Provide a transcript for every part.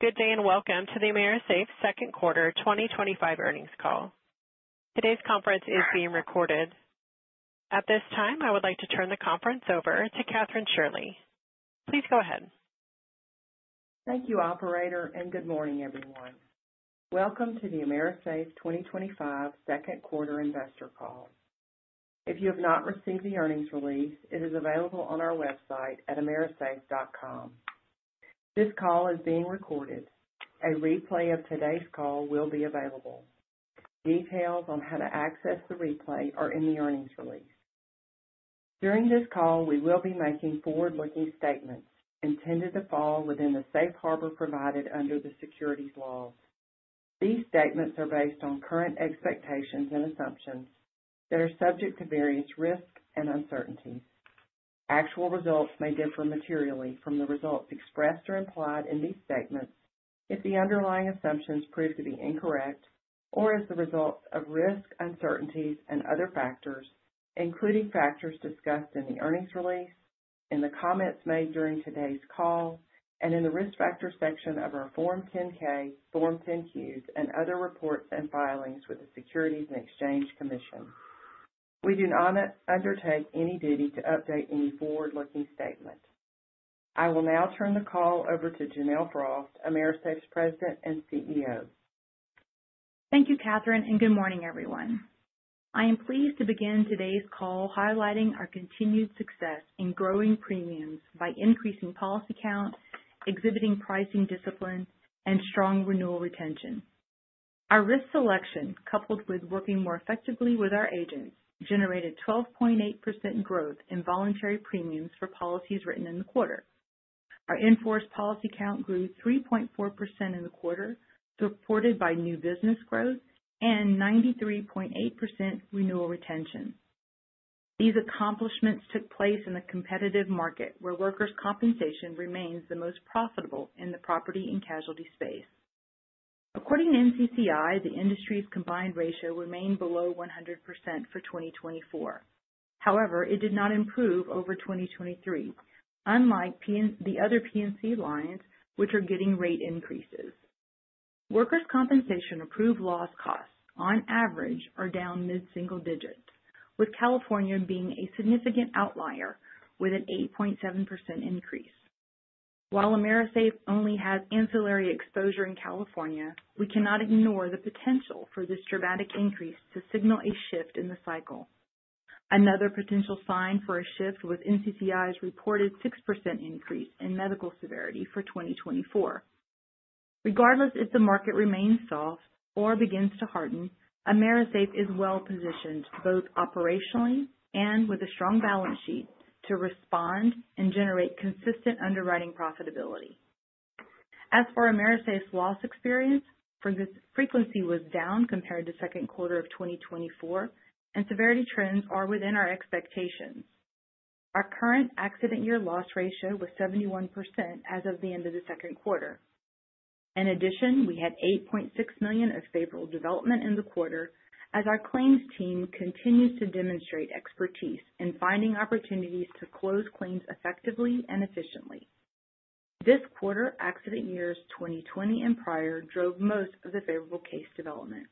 Good day and welcome to the AMERISAFE Second-Quarter 2025 Earnings Call. Today's conference is being recorded. At this time, I would like to turn the conference over to Kathryn Shirley. Please go ahead. Thank you, operator, and good morning, everyone. Welcome to the AMERISAFE 2025 Second-Quarter Investor Call. If you have not received the earnings release, it is available on our website at amerisafe.com. This call is being recorded. A replay of today's call will be available. Details on how to access the replay are in the earnings release. During this call, we will be making forward-looking statements intended to fall within the safe harbor provided under the securities laws. These statements are based on current expectations and assumptions that are subject to various risks and uncertainties. Actual results may differ materially from the results expressed or implied in these statements if the underlying assumptions prove to be incorrect or as a result of risk, uncertainties, and other factors, including factors discussed in the earnings release, in the comments made during today's call, and in the risk factors section of our Form 10-K, Form 10-Qs, and other reports and filings with the Securities and Exchange Commission. We do not undertake any duty to update any forward-looking statement. I will now turn the call over to Janelle Frost, AMERISAFE's President and CEO. Thank you, Kathryn, and good morning, everyone. I am pleased to begin today's call highlighting our continued success in growing premiums by increasing policy count, exhibiting pricing discipline, and strong renewal retention. Our risk selection, coupled with working more effectively with our agents, generated 12.8% growth in voluntary premiums for policies written in the quarter. Our in-force policy count grew 3.4% in the quarter, supported by new business growth and 93.8% renewal retention. These accomplishments took place in a competitive market where workers' compensation remains the most profitable in the property and casualty space. According to NCCI, the industry's combined ratio remained below 100% for 2024. However, it did not improve over 2023, unlike the other P&C lines, which are getting rate increases. Workers' compensation approved loss costs, on average, are down mid-single digit, with California being a significant outlier with an 8.7% increase. While AMERISAFE only has ancillary exposure in California, we cannot ignore the potential for this dramatic increase to signal a shift in the cycle. Another potential sign for a shift was NCCI's reported 6% increase in medical severity for 2024. Regardless if the market remains soft or begins to harden, AMERISAFE is well-positioned both operationally and with a strong balance sheet to respond and generate consistent underwriting profitability. As for AMERISAFE's loss experience, frequency was down compared to the 2nd quarter of 2024, and severity trends are within our expectations. Our current accident year loss ratio was 71% as of the end of the 2nd quarter. In addition, we had $8.6 million of favorable development in the quarter as our claims team continues to demonstrate expertise in finding opportunities to close claims effectively and efficiently. This quarter, accident years 2020 and prior drove most of the favorable case development.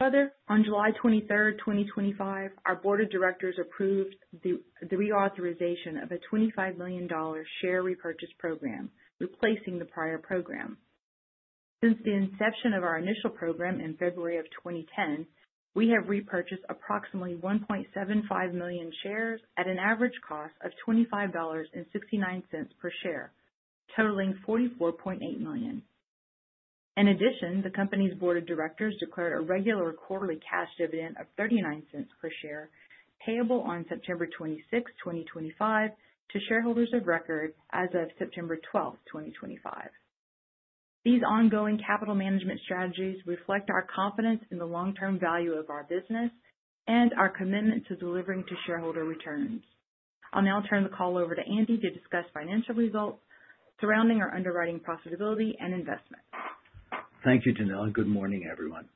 Further, on July 23rd, 2025, our board of directors approved the reauthorization of a $25 million share repurchase program, replacing the prior program. Since the inception of our initial program in February of 2010, we have repurchased approximately 1.75 million shares at an average cost of $25.69 per share, totaling $44.8 million. In addition, the company's board of directors declared a regular quarterly cash dividend of $0.39 per share, payable on September 26th, 2025, to shareholders of record as of September 12th, 2025. These ongoing capital management strategies reflect our confidence in the long-term value of our business and our commitment to delivering to shareholder returns. I'll now turn the call over to Andy to discuss financial results surrounding our underwriting profitability and investment. Thank you, Janelle, and good morning, everyone.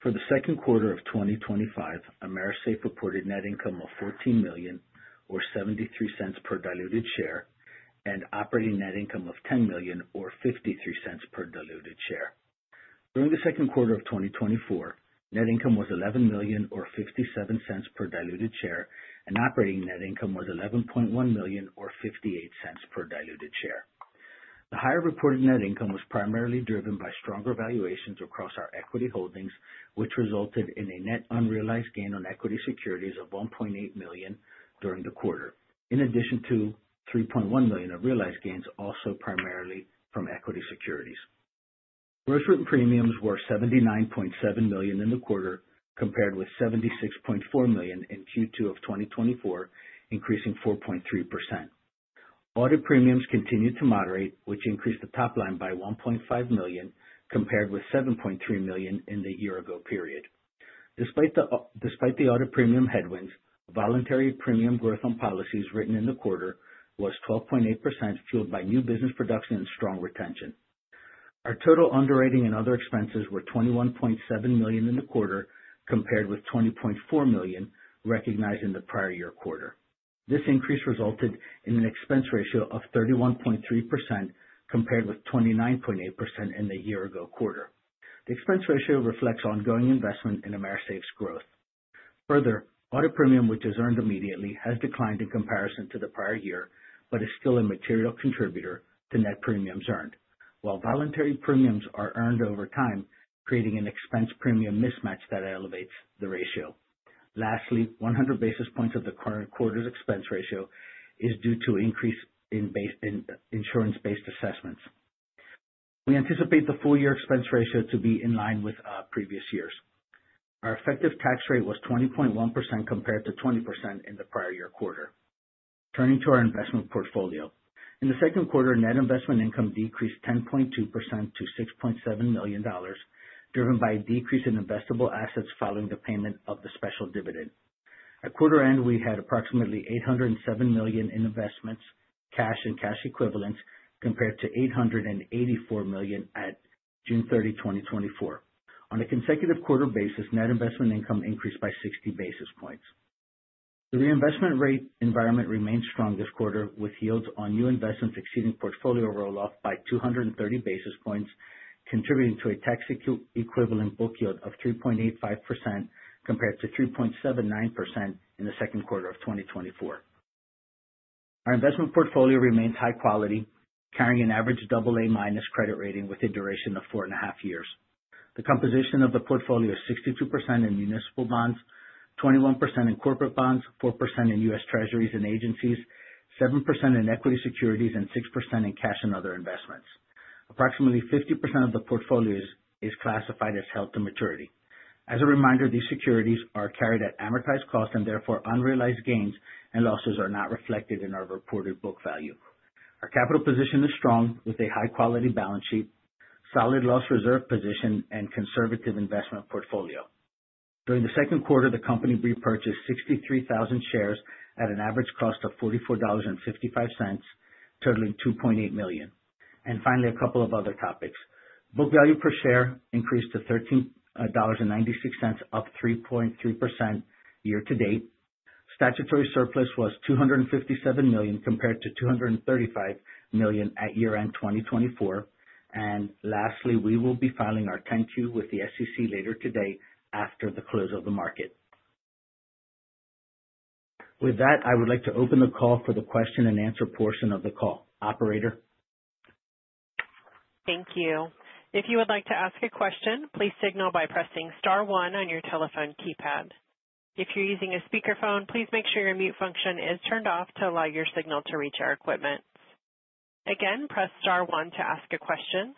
For the 2nd quarter of 2025, AMERISAFE reported net income of $14 million or $0.73 per diluted share and operating net income of $10 million or $0.53 per diluted share. During the 2nd quarter of 2024, net income was $11 million or $0.57 per diluted share, and operating net income was $11.1 million or $0.58 per diluted share. The higher reported net income was primarily driven by stronger valuations across our equity holdings, which resulted in a net unrealized gain on equity securities of $1.8 million during the quarter, in addition to $3.1 million of realized gains, also primarily from equity securities. Gross written premiums were $79.7 million in the quarter, compared with $76.4 million in Q2 of 2024, increasing 4.3%. Audit premiums continued to moderate, which increased the top line by $1.5 million, compared with $7.3 million in the year-ago period. Despite the audit premium headwinds, voluntary premium growth on policies written in the quarter was 12.8%, fueled by new business production and strong retention. Our total underwriting and other expenses were $21.7 million in the quarter, compared with $20.4 million recognized in the prior-year quarter. This increase resulted in an expense ratio of 31.3%, compared with 29.8% in the year-ago quarter. The expense ratio reflects ongoing investment in AMERISAFE's growth. Further, audit premium, which is earned immediately, has declined in comparison to the prior year, but is still a material contributor to net premiums earned. While voluntary premiums are earned over time, creating an expense premium mismatch that elevates the ratio. Lastly, 100 basis points of the current quarter's expense ratio is due to an increase in insurance-based assessments. We anticipate the full-year expense ratio to be in line with previous years. Our effective tax rate was 20.1% compared to 20% in the prior-year quarter. Turning to our investment portfolio, in the 2nd quarter, net investment income decreased 10.2% to $6.7 million, driven by a decrease in investable assets following the payment of the special dividend. At quarter end, we had approximately $807 million in investments, cash and cash equivalents, compared to $884 million at June 30, 2024. On a consecutive quarter basis, net investment income increased by 60 basis points. The reinvestment rate environment remains strong this quarter, with yields on new investments exceeding portfolio rolloff by 230 basis points, contributing to a tax-equivalent book yield of 3.85%, compared to 3.79% in the 2nd quarter of 2024. Our investment portfolio remains high quality, carrying an average AA- credit rating with a duration of four and a half years. The composition of the portfolio is 62% in municipal bonds, 21% in corporate bonds, 4% in U.S. treasuries and agencies, 7% in equity securities, and 6% in cash and other investments. Approximately 50% of the portfolio is classified as held-to-maturity. As a reminder, these securities are carried at amortized cost and therefore unrealized gains and losses are not reflected in our reported book value. Our capital position is strong with a high-quality balance sheet, solid loss reserve position, and conservative investment portfolio. During the 2nd quarter, the company repurchased 63,000 shares at an average cost of $44.55, totaling $2.8 million. A couple of other topics. Book value per share increased to $13.96, up 3.3% year to date. Statutory surplus was $257 million, compared to $235 million at year-end 2024. We will be filing our 10-Q with the SEC later today after the close of the market. With that, I would like to open the call for the question-and-answer portion of the call. Operator. Thank you. If you would like to ask a question, please signal by pressing star one on your telephone keypad. If you're using a speakerphone, please make sure your mute function is turned off to allow your signal to reach our equipment. Again, press star one to ask a question.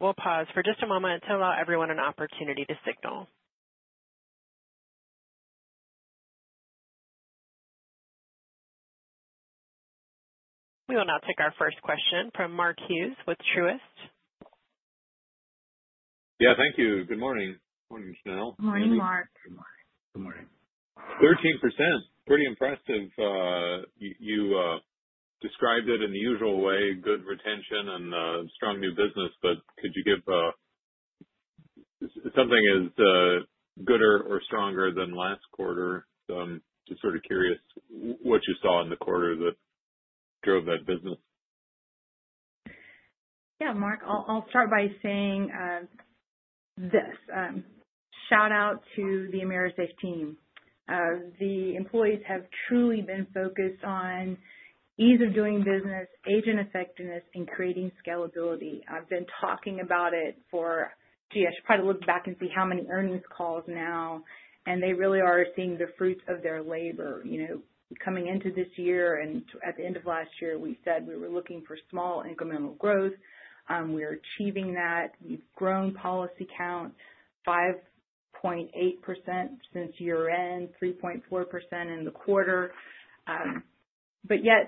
We'll pause for just a moment to allow everyone an opportunity to signal. We will now take our 1st question from Mark Hughes with Truist. Thank you. Good morning. Morning, Janelle. Morning, Mark. Good morning, It's 13%. Pretty impressive. You described it in the usual way, good retention and strong new business, but could you give something as good or stronger than last quarter? I'm just sort of curious what you saw in the quarter that drove that business. Yeah, Mark, I'll start by saying this. Shout out to the AMERISAFE team. The employees have truly been focused on ease of doing business, agent effectiveness, and creating scalability. I've been talking about it for, [gee], I should probably look back and see how many earnings calls now, and they really are seeing the fruits of their labor. Coming into this year and at the end of last year, we said we were looking for small incremental growth. We are achieving that. We've grown policy count 5.8% since year-end, 3.4% in the quarter. Yes,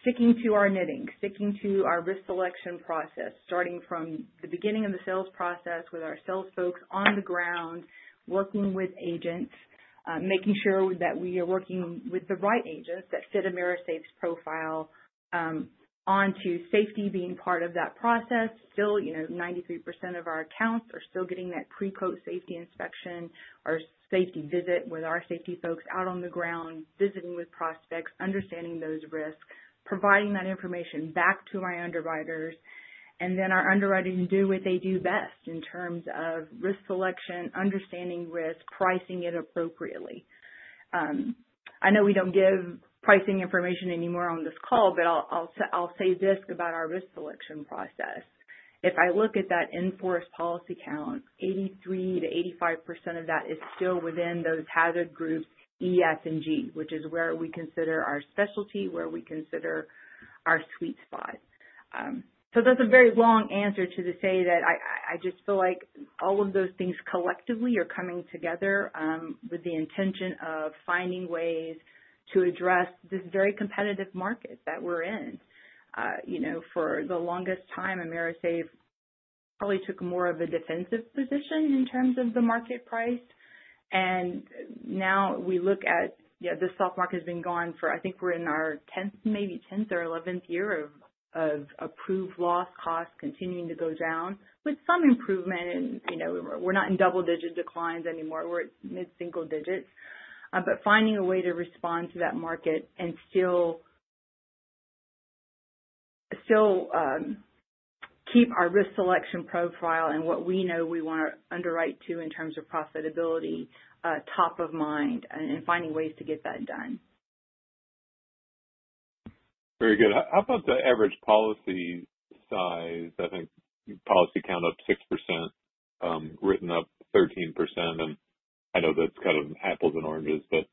sticking to our knitting, sticking to our risk selection process, starting from the beginning of the sales process with our sales folks on the ground, working with agents, making sure that we are working with the right agents that fit AMERISAFE's profile, onto safety being part of that process. Still, 93% of our accounts are still getting that pre-quote safety inspection, our safety visit with our safety folks out on the ground, visiting with prospects, understanding those risks, providing that information back to my underwriters, and then our underwriters can do what they do best in terms of risk selection, understanding risk, pricing it appropriately. I know we don't give pricing information anymore on this call, but I'll say this about our risk selection process. If I look at that in-force policy count, 83%-85% of that is still within those hazard groups, E, F, and G, which is where we consider our specialty, where we consider our sweet spot. That's a very long answer to say that I just feel like all of those things collectively are coming together with the intention of finding ways to address this very competitive market that we're in. For the longest time, AMERISAFE probably took more of a defensive position in terms of the market price. Now we look at, yeah, this stock market has been gone for, I think we're in our 10th, maybe 10th-11th year of approved loss costs continuing to go down with some improvement. We're not in double-digit declines anymore. We're at mid-single digits. Finding a way to respond to that market and still keep our risk selection profile and what we know we want to underwrite to in terms of profitability, top of mind, and finding ways to get that done. Very good. How about the average policy size? I think policy count up 6%, written up 13%. I know that's kind of apples and oranges, but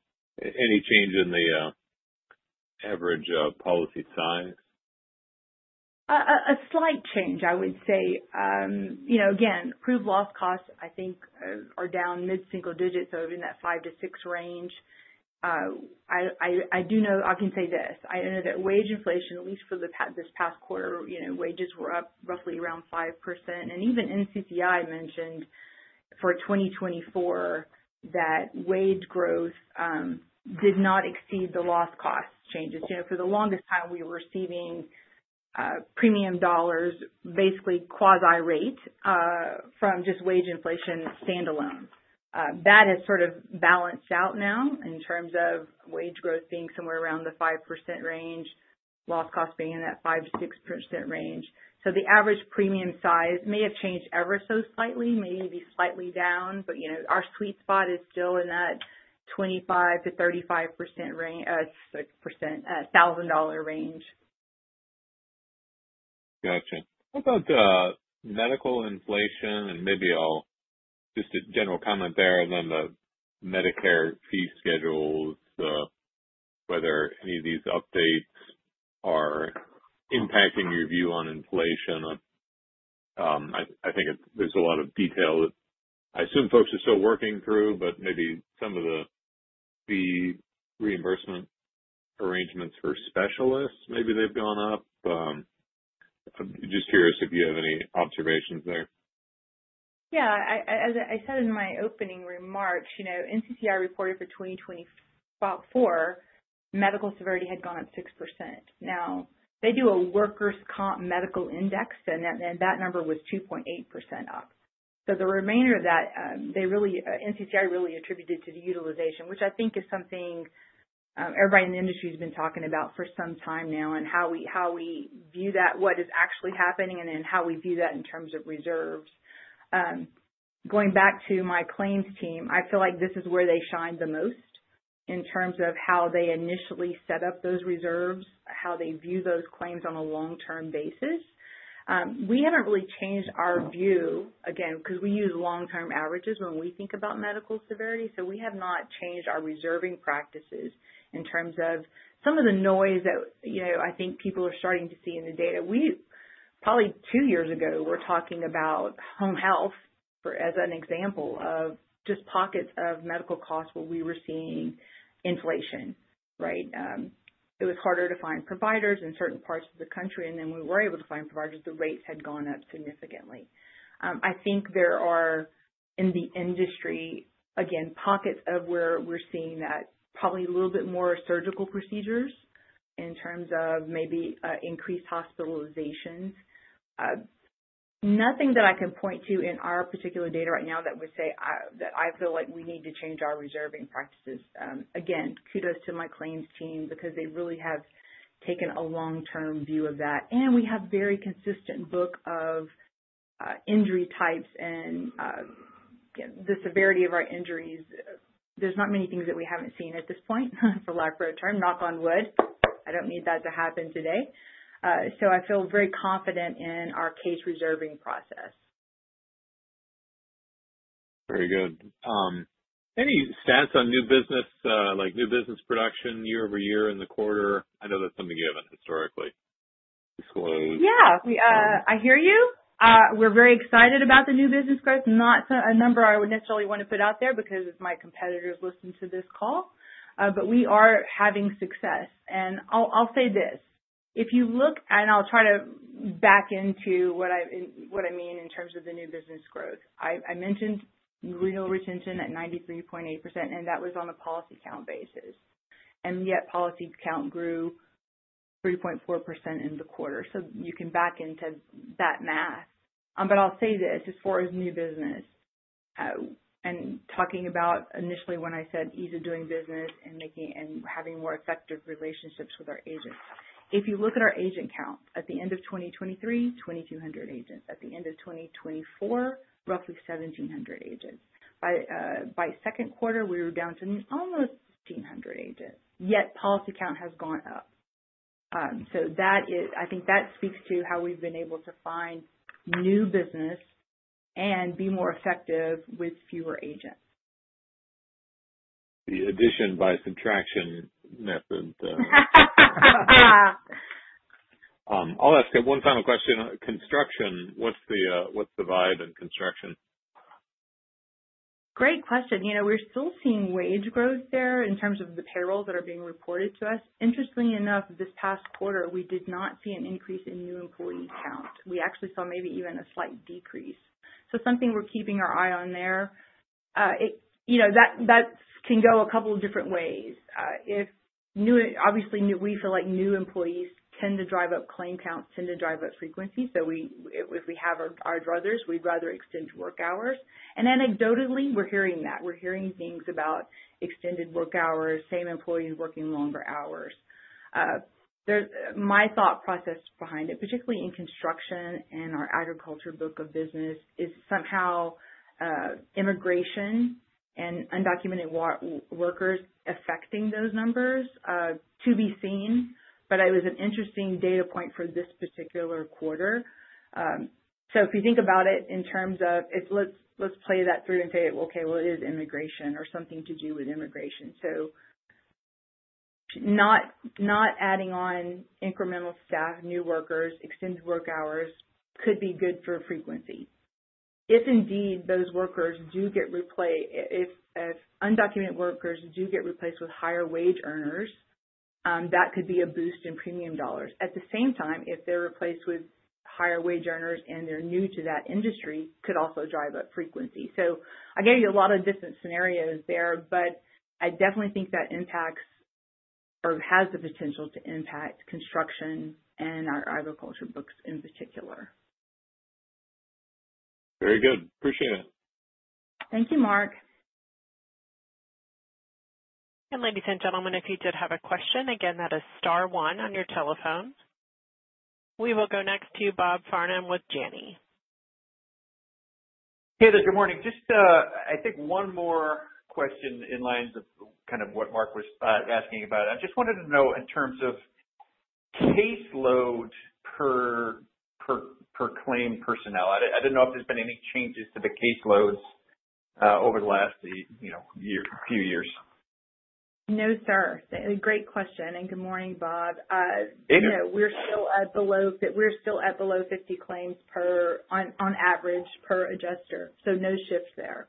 any change in the average policy size? A slight change, I would say. Again, approved loss costs, I think, are down mid-single digits, so in that 5%-6% range. I do know, I can say this. I know that wage inflation, at least for this past quarter, wages were up roughly around 5%. Even NCCI mentioned for 2024 that wage growth did not exceed the loss cost changes. For the longest time, we were receiving premium dollars, basically quasi-rate, from just wage inflation standalone. That has sort of balanced out now in terms of wage growth being somewhere around the 5% range, loss costs being in that 5%-6% range. The average premium size may have changed ever so slightly, maybe slightly down, but our sweet spot is still in that 25%-35% range, a 6% at $1,000 range. Gotcha. How about the medical inflation? Maybe I'll just a general comment there, and then the Medicare fee schedules, whether any of these updates are impacting your view on inflation. I think there's a lot of detail that I assume folks are still working through, but maybe some of the fee reimbursement arrangements for specialists, maybe they've gone up. I'm just curious if you have any observations there? Yeah, as I said in my opening remarks, you know, NCCI reported for 2024 medical severity had gone up 6%. Now, they do a workers' comp medical index, and that number was up 2.8%. The remainder of that, NCCI really attributed to the utilization, which I think is something everybody in the industry has been talking about for some time now, and how we view that, what is actually happening, and then how we view that in terms of reserves. Going back to my claims team, I feel like this is where they shine the most in terms of how they initially set up those reserves, how they view those claims on a long-term basis. We haven't really changed our view, again, because we use long-term averages when we think about medical severity. We have not changed our reserving practices in terms of some of the noise that, you know, I think people are starting to see in the data. We probably two years ago were talking about home health as an example of just pockets of medical costs where we were seeing inflation, right? It was harder to find providers in certain parts of the country, and then we were able to find providers. The rates had gone up significantly. I think there are, in the industry, again, pockets of where we're seeing that, probably a little bit more surgical procedures in terms of maybe increased hospitalizations. Nothing that I can point to in our particular data right now that would say that I feel like we need to change our reserving practices. Kudos to my claims team because they really have taken a long-term view of that. We have a very consistent book of injury types and the severity of our injuries. There's not many things that we haven't seen at this point, for lack of a better term. Knock on wood. I don't need that to happen today. I feel very confident in our case-reserving process. Very good. Any stats on new business, like new business production year over year in the quarter? I know that's something you haven't historically disclosed. Yeah, I hear you. We're very excited about the new business growth. Not a number I would necessarily want to put out there because my competitors listen to this call. We are having success. I'll say this. If you look, and I'll try to back into what I mean in terms of the new business growth. I mentioned renewal retention at 93.8%, and that was on a policy count basis. Yet policy count grew 3.4% in the quarter. You can back into that math. I'll say this as far as new business and talking about, initially when I said ease of doing business and making and having more effective relationships with our agents. If you look at our agent count, at the end of 2023, 2,200 agents. At the end of 2024, roughly 1,700 agents. By 2nd quarter, we were down to almost 1,500 agents. Yet policy count has gone up. I think that speaks to how we've been able to find new business and be more effective with fewer agents. The addition by subtraction method. Yeah. I'll ask one final question on construction. What's the vibe in construction? Great question. We're still seeing wage growth there in terms of the payrolls that are being reported to us. Interestingly enough, this past quarter, we did not see an increase in new employee count. We actually saw maybe even a slight decrease, so something we're keeping our eye on there. That can go a couple of different ways. Obviously, we feel like new employees tend to drive up claim counts, tend to drive up frequency. If we have our druthers, we'd rather extend work hours. Anecdotally, we're hearing that. We're hearing things about extended work hours, same employees working longer hours. My thought process behind it, particularly in construction and our agriculture book of business, is somehow immigration and undocumented workers affecting those numbers to be seen. It was an interesting data point for this particular quarter. If you think about it in terms of, let's play that through and say, okay, it is immigration or something to do with immigration. Not adding on incremental staff, new workers, extended work hours could be good for frequency. If indeed those workers do get replaced, if undocumented workers do get replaced with higher wage earners, that could be a boost in premium dollars. At the same time, if they're replaced with higher-wage earners and they're new to that industry, it could also drive up frequency. I gave you a lot of different scenarios there, but I definitely think that impacts or has the potential to impact construction and our agriculture books in particular. Very good. Appreciate it. Thank you, Mark. If you did have a question, again, that is star one on your telephone. We will go next to Bob Farnham with Janney. Hey, there. Good morning. I think one more question in lines of kind of what Mark was asking about. I just wanted to know in terms of caseload per claim personnel. I didn't know if there's been any changes to the caseloads over the last few years. No, sir. Great question. Good morning, Bob. Amy. We're still at below 50. We're still at below 50 claims per, on average, per adjuster. No shift there.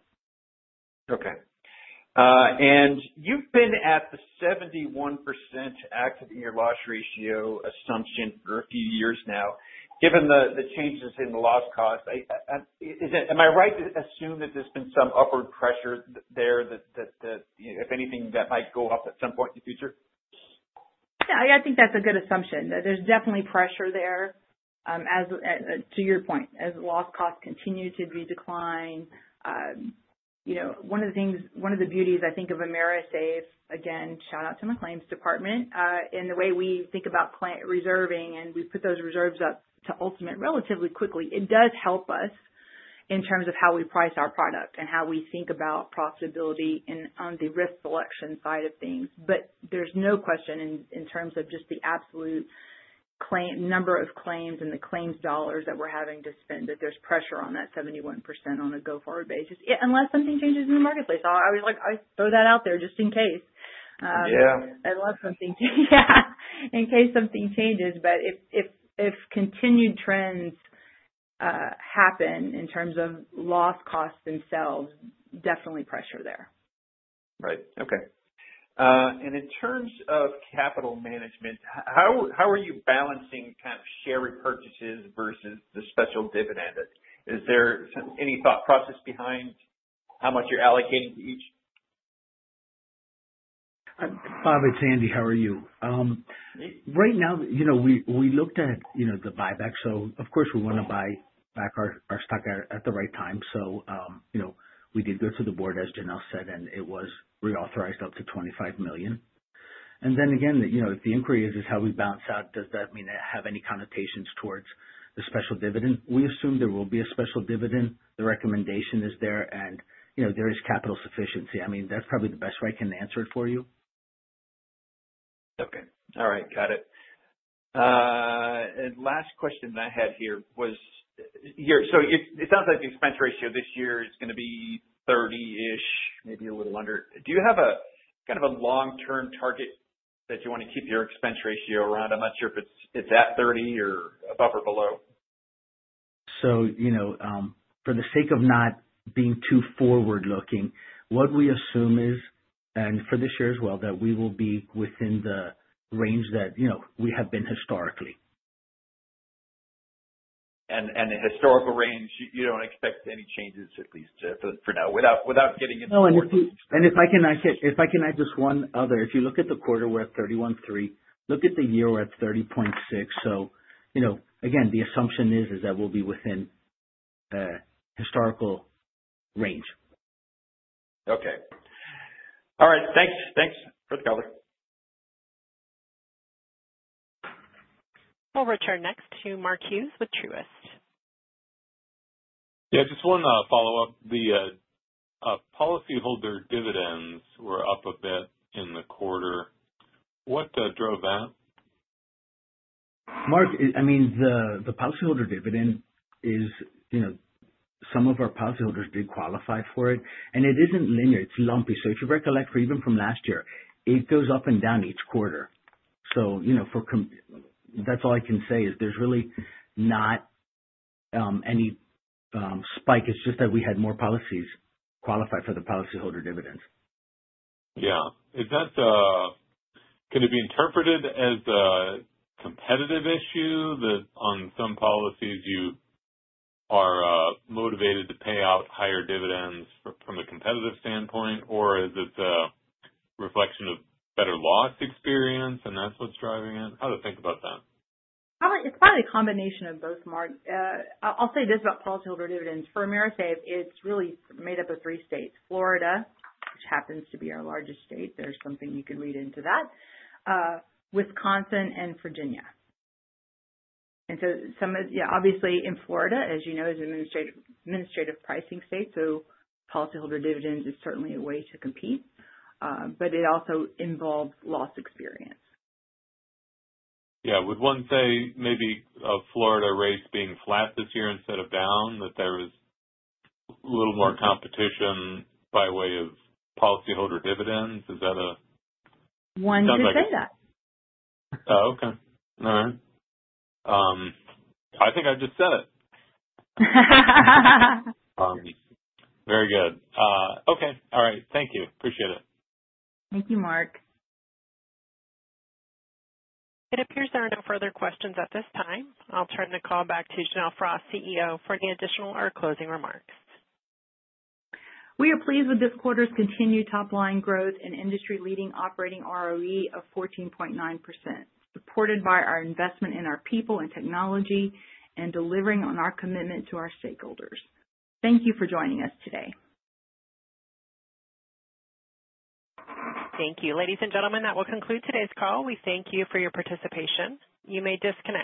Okay. You've been at the 71% accident year loss ratio assumption for a few years now. Given the changes in the loss cost, am I right to assume that there's been some upward pressure there, that, if anything, that might go up at some point in the future? Yeah, I think that's a good assumption. There's definitely pressure there. As to your point, as loss costs continue to decline, one of the beauties, I think, of AMERISAFE, again, shout out to my claims department, in the way we think about reserving and we put those reserves up to ultimate relatively quickly, it does help us in terms of how we price our product and how we think about profitability and on the risk selection side of things. There's no question in terms of just the absolute number of claims and the claims dollars that we're having to spend, that there's pressure on that 71% on a go-forward basis, unless something changes in the marketplace. I throw that out there just in case. Yeah. Unless something changes, if continued trends happen in terms of loss costs themselves, definitely pressure there. Right. Okay. In terms of capital management, how are you balancing kind of share repurchases versus the special dividend? Is there any thought process behind how much you're allocating? Bob, it's Andy. How are you? Right now, we looked at the buyback. Of course, we want to buy back our stock at the right time. We did go through the board, as Janelle said, and it was reauthorized up to $25 million. The inquiry is how we balance out. Does that mean it has any connotations towards the special dividend? We assume there will be a special dividend. The recommendation is there, and there is capital sufficiency. That's probably the best way I can answer it for you. Okay. All right. Got it. Last question that I had here was, it sounds like the expense ratio this year is going to be 30%-ish, maybe a little under. Do you have a kind of a long-term target that you want to keep your expense ratio around? I'm not sure if it's at 30% or above or below. For the sake of not being too forward-looking, what we assume is, and for this year as well, that we will be within the range that we have been historically. The historical range, you don't expect any changes, at least for now, without getting into it. No. If I can add just one other, if you look at the quarter, we're at 31.3%. If you look at the year, we're at 30.6%. The assumption is that we'll be within the historical range. Okay. All right. Thanks. Good cover. We'll return next to Mark Hughes with Truist. I just want to follow up. The policyholder dividends were up a bit in the quarter. What drove that? Mark, I mean, the policyholder dividend is, you know, some of our policyholders did qualify for it. It isn't linear. It's lumpy. If you recollect, even from last year, it goes up and down each quarter. That's all I can say is there's really not any spike. It's just that we had more policies qualify for the policyholder dividends. Yeah. Can it be interpreted as a competitive issue that on some policies you are motivated to pay out higher dividends from a competitive standpoint, or is it a reflection of better loss experience, and that's what's driving it? How do you think about that? It's probably a combination of both, Mark. I'll say this about policyholder dividends. For AMERISAFE, it's really made up of three states: Florida, which happens to be our largest state. There's something you can read into that, Wisconsin, and Virginia. Obviously, in Florida, as you know, is an administrative pricing state, so policyholder dividends is certainly a way to compete. It also involves loss experience. Would one say maybe a Florida rate being flat this year instead of down, that there was a little more competition by way of policyholder dividends? Is that a? One could say that. Okay. All right. I think I just said it. Very good. Okay. All right. Thank you. Appreciate it. Thank you, Mark. It appears there are no further questions at this time. I'll turn the call back to Janelle Frost, CEO, for any additional or closing remarks. We are pleased with this quarter's continued top-line growth and industry-leading operating ROE of 14.9%, supported by our investment in our people and technology, and delivering on our commitment to our stakeholders. Thank you for joining us today. Thank you, ladies and gentlemen. That will conclude today's call. We thank you for your participation. You may disconnect.